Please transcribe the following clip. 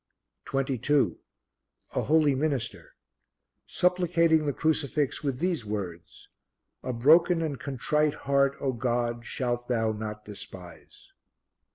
22. A Holy Minister supplicating the Crucifix with these words: "A broken and contrite heart, O God, shalt Thou not despise."